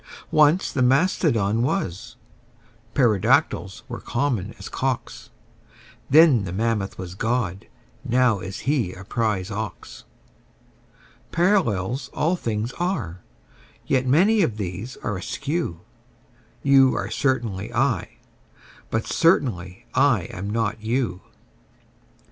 Once the mastodon was: pterodactyls were common as cocks: Then the mammoth was God: now is He a prize ox. Parallels all things are: yet many of these are askew: You are certainly I: but certainly I am not you.